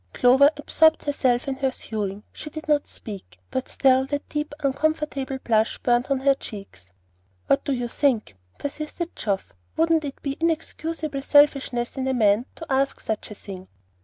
Clover absorbed herself in her sewing, she did not speak; but still that deep uncomfortable blush burned on her cheeks. "What do you think?" persisted Geoff. "Wouldn't it be inexcusable selfishness in a man to ask such a thing?"